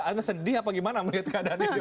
anda sedih apa gimana melihat keadaan ini